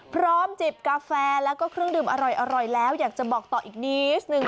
จิบกาแฟแล้วก็เครื่องดื่มอร่อยแล้วอยากจะบอกต่ออีกนิดนึง